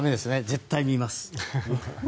絶対に見ます。